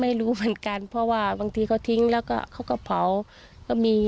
ไม่รู้เหมือนกันเพราะว่าบางทีเขาทิ้งแล้วก็เขาก็เผาก็มี